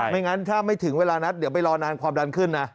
ไม่งั้นถ้าไม่ถึงเวลานัดเดี๋ยวไปรอนานความดันขึ้นนะ